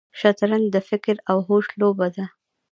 شطرنج د فکر او هوش لوبه ده.